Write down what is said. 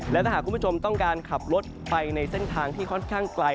และถ้าหากคุณผู้ชมต้องการขับรถไปในเส้นทางที่ค่อนข้างไกล